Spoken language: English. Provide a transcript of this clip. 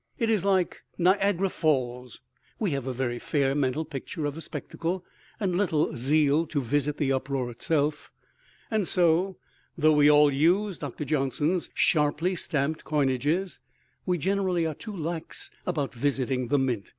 It is like Niagara Falls: we have a very fair mental picture of the spectacle and little zeal to visit the uproar itself. And so, though we all use Doctor Johnson's sharply stamped coinages, we generally are too lax about visiting the mint.